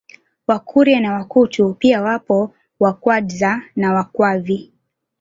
Wakuria na Wakutu pia wapo Wakwadza na Wakwavi